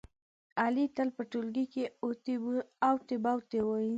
علي تل په ټولگي کې اوتې بوتې وایي.